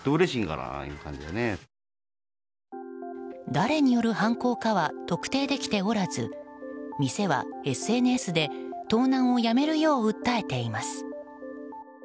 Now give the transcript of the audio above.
誰による犯行かは特定できておらず店はＳＮＳで盗難をやめるよう訴えています。